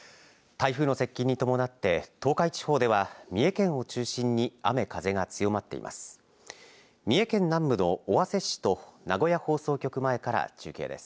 台風の接近に伴って、東海地方では三重県を中心に雨、風が強まっています。